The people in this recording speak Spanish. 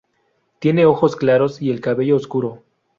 Tiene ojos claros y el cabello oscuro.